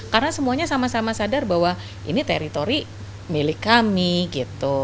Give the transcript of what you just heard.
karena semuanya sama sama sadar bahwa ini teritori milik kami gitu